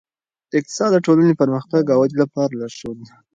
اقتصاد د ټولنې پرمختګ او ودې لپاره لارښود دی.